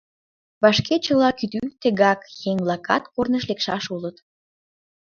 Вашке чыла кӱтӱ, тыгак еҥ-влакат корныш лекшаш улыт.